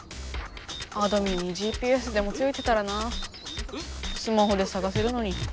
あどミンにＧＰＳでもついてたらなスマホでさがせるのに。